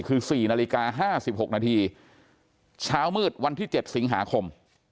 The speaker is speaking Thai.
คือ๔นาฬิกา๕๖นาทีเช้ามืดวันที่๗สิงหาคม